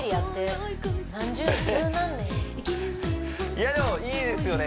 いやでもいいですよね